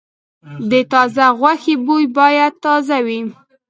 د تازه غوښې بوی باید تازه وي.